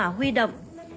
khánh hòa huy động